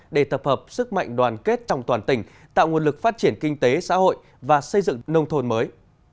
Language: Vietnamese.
để tập hợp sức mạnh đoàn kết trong toàn tỉnh tạo nguồn lực phát triển kinh tế xã hội và xây dựng nông thôn mới